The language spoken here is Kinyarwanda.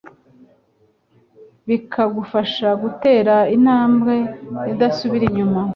bikagufasha gutera intambwe idasubira inyuma